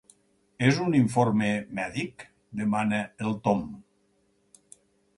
És un informe mèdic? —demana el Tom—.